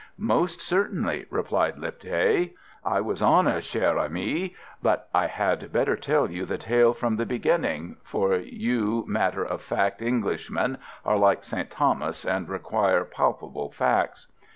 "Most certainly," replied Lipthay. "I was on it, cher ami. But I had better tell you the tale from the beginning, for you matter of fact Englishmen are like St Thomas, and require palpable facts."